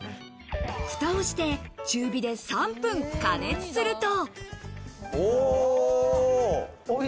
蓋をして中火で３分加熱すると。